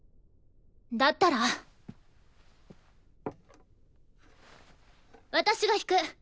だったら私が弾く。